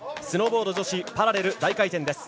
スノーボード女子パラレル大回転。